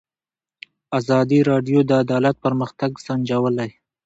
ازادي راډیو د عدالت پرمختګ سنجولی.